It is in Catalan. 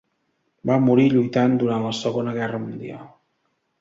Va morir lluitant durant la Segona Guerra Mundial.